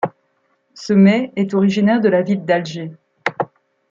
Ce mets est originaire de la ville d'Alger.